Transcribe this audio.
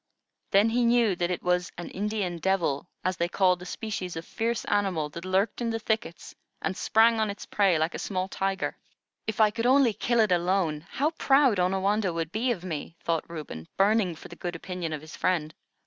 Then he knew that it was an "Indian devil," as they called a species of fierce animal that lurked in the thickets and sprang on its prey like a small tiger. "If I could only kill it alone, how proud Onawandah would be of me," thought Reuben, burning for the good opinion of his friend.